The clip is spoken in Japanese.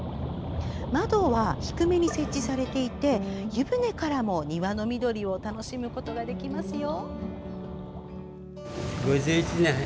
窓は低めに設置されていて湯船からも庭の緑を楽しむことができますよ！